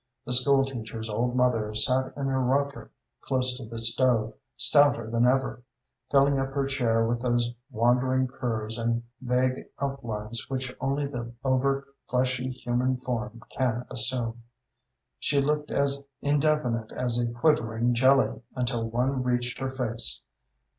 The school teacher's old mother sat in her rocker close to the stove, stouter than ever, filling up her chair with those wandering curves and vague outlines which only the over fleshy human form can assume. She looked as indefinite as a quivering jelly until one reached her face.